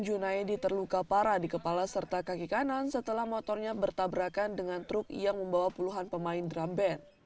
junaidi terluka parah di kepala serta kaki kanan setelah motornya bertabrakan dengan truk yang membawa puluhan pemain drum band